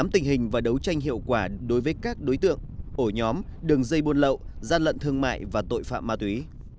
tình hình và đấu tranh hiệu quả đối với các đối tượng ổ nhóm đường dây buôn lậu gian lận thương mại và tội phạm ma túy